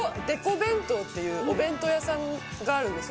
弁当っていうお弁当屋さんがあるんですよ